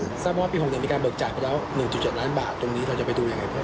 สร้างความว่าปี๖ยังมีการเบิกจ่ายไปแล้ว๑๗ล้านบาทตรงนี้เราจะไปดูอย่างไรครับ